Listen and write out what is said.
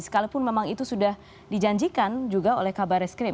sekalipun memang itu sudah dijanjikan juga oleh kabar reskrim